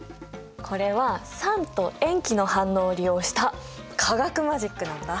これは酸と塩基の反応を利用した化学マジックなんだ。